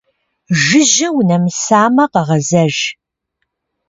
Жыжьэ унэмысамэ, къэгъэзэж.